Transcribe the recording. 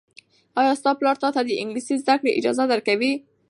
ایا ستا پلار تاته د انګلیسي زده کړې اجازه درکوي؟